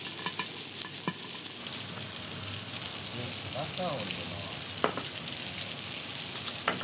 バターを入れます。